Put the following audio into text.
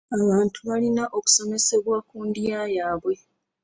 Abantu balina okusomesebwa ku ndya yaabwe.